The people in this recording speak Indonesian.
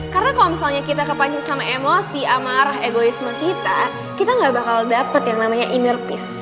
karena kalo misalnya kita kepancing sama emosi amarah egoisme kita kita gak bakal dapet yang namanya inner peace